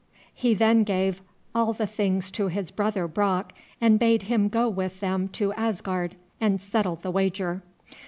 He then gave all the things to his brother Brock, and bade him go with them to Asgard, and settle the wager.